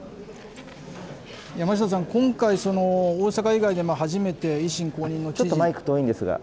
山下さん、今回、大阪以外で初めて、ちょっとマイク遠いんですが。